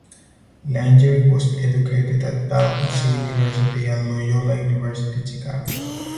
Langer was educated at Dalhousie University and Loyola University Chicago.